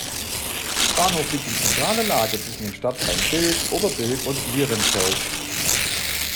Der Bahnhof liegt in zentraler Lage zwischen den Stadtteilen Bilk, Oberbilk und Lierenfeld.